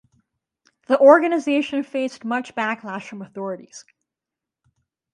The organization faced much backlash from authorities.